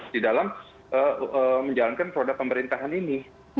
di dalam menjalankan produk pemerintahan ini